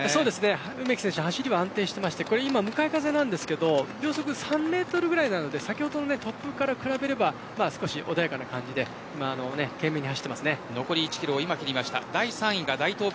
梅木選手走りは安定していまして今向かい風ですが秒速３メートルぐらいなので先ほどの突風から比べれば少し穏やかな感じで残り１キロを今、切ました。